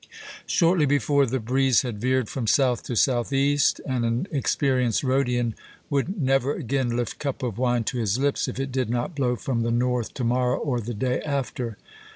Shortly before the breeze had veered from south to southeast, and an experienced Rhodian would "never again lift cup of wine to his lips" if it did not blow from the north to morrow or the day after.